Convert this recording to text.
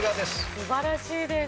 素晴らしいです。